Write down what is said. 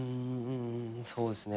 そうですね。